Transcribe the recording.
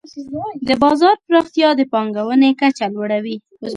د بازار پراختیا د پانګونې کچه لوړوي.